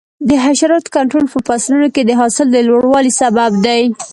د حشراتو کنټرول په فصلونو کې د حاصل د لوړوالي سبب دی.